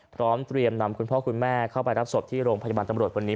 พร้อมเตรียมนำคุณพ่อคุณแม่เข้าไปรับศพที่โรงพยาบาลตำรวจวันนี้